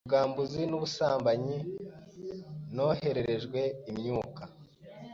ubwambuzi n’ubusambanyi, nohererejwe imyuka